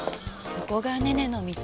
ここがねねの道。